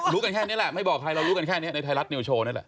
กันแค่นี้แหละไม่บอกใครเรารู้กันแค่นี้ในไทยรัฐนิวโชว์นี่แหละ